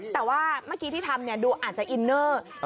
แต่ว่าเมื่อกี้ที่ทำดูอาจจะอินเนอร์